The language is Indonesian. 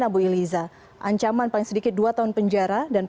bisa sampai dengan